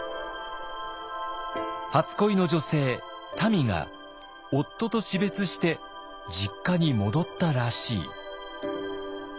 初恋の女性たみが夫と死別して実家に戻ったらしい。